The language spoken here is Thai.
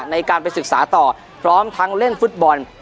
ในการไปศึกษาต่อพร้อมทั้งเล่นฟุตบอล